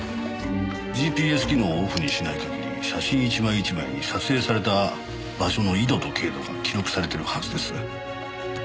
ＧＰＳ機能をオフにしない限り写真１枚１枚に撮影された場所の緯度と経度が記録されてるはずです。